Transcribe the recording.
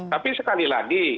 tapi sekali lagi